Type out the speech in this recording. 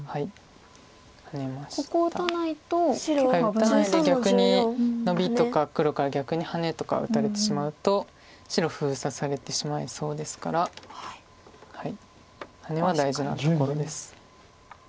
打たないで逆にノビとか黒から逆にハネとか打たれてしまうと白封鎖されてしまいそうですからハネは大事なところです。